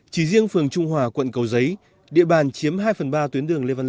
chỉ riêng phường trung hòa quận cầu giấy